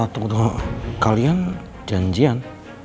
tunggu tunggu kalian janjian